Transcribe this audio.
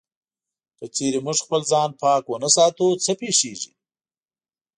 که چېرې موږ خپل ځان پاک و نه ساتو، څه پېښيږي؟